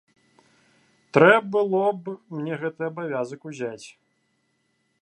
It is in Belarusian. Трэ было б мне гэты абавязак узяць.